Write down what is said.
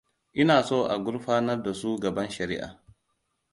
Ina so a gurfanar da su gaban shariʻa.